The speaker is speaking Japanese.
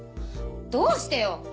どうしてよ！？